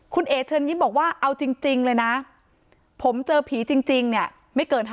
คุณเอ๋เชิญยิ้มบอกว่าเอาจริงเลยนะผมเจอผีจริงเนี่ยไม่เกิน๕๐